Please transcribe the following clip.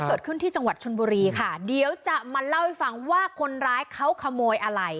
เกิดขึ้นที่จังหวัดชนบุรีค่ะเดี๋ยวจะมาเล่าให้ฟังว่าคนร้ายเขาขโมยอะไร